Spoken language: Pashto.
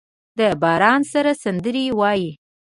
د باران سره سندرې وايي